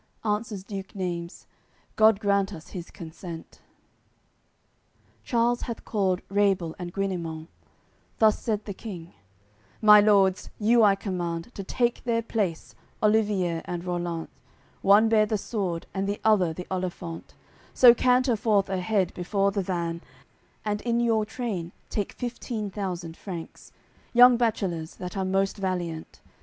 Answers Duke Neimes: "God grant us his consent!" AOI. CCXVII Charles hath called Rabel and Guineman; Thus said the King: "My lords, you I command To take their place, Olivier and Rollant, One bear the sword and the other the olifant; So canter forth ahead, before the van, And in your train take fifteen thousand Franks, Young bachelors, that are most valiant.